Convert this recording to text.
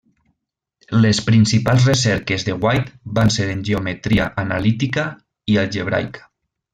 Les principals recerques de White van ser en geometria analítica i algebraica.